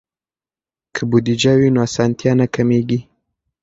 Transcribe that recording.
که بودیجه وي نو اسانتیا نه کمېږي.